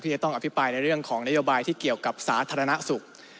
จะต้องอภิปรายในเรื่องของนโยบายที่เกี่ยวกับสาธารณสุข